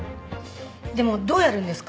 でもどうやるんですか？